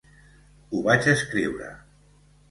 Ho vaig escriure.